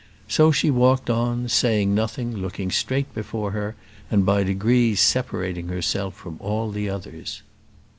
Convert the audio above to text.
So she walked on, saying nothing, looking straight before her, and by degrees separating herself from all the others.